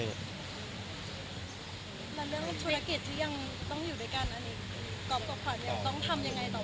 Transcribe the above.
แล้วเรื่องธุรกิจที่ยังต้องอยู่ด้วยกันอันนี้